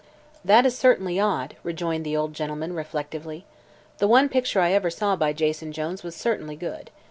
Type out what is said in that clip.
"That is certainly odd," rejoined the old gentleman, reflectively. "The one picture I ever saw by Jason Jones was certainly good.